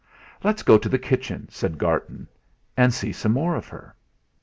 "Let's go to the kitchen," said Garton, "and see some more of her."